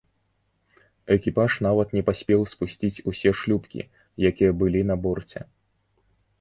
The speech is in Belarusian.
Экіпаж нават не паспеў спусціць усё шлюпкі, якія былі на борце.